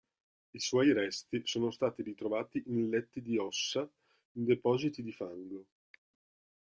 I suoi resti sono stati ritrovati in letti di ossa in depositi di fango.